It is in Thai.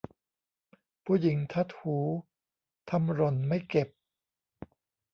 ผู้หญิงทัดหู ทำหล่นไม่เก็บ